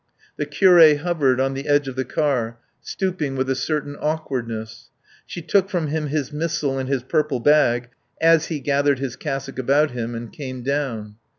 The curé hovered on the edge of the car, stooping with a certain awkwardness; she took from him his missal and his purple bag as he gathered his cassock about him and came down.